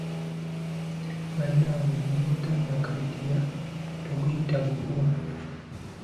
Bannannge gw'otonnakaddiya toguyita gugwo.